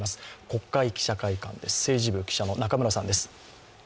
国会記者会館です、政治部記者の中村さんです。